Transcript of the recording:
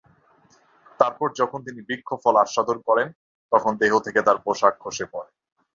তারপর যখন তিনি বৃক্ষ-ফল আস্বাদন করেন, তখন দেহ থেকে তার পোশাক খসে পড়ে।